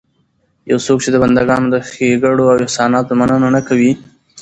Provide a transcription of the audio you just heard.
يو څوک چې د بنده ګانو د ښېګړو او احساناتو مننه نه کوي